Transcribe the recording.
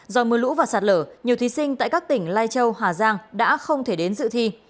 do mưa lũ và sạt lở nhiều thí sinh tại các tỉnh lai châu hà giang đã không thể đến dự thi